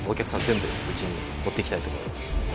全部うちに持っていきたいと思います